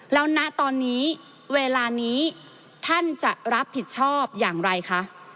แล้วณตอนนี้เวลานี้ท่านจะรับผิดชอบอย่างไรคะ